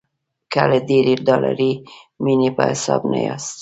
که له ډېرې ډالري مینې په حساب نه یاست.